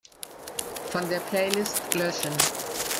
Von der Playlist löschen.